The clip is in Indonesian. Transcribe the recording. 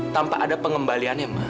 tanpa ada pengembaliannya ma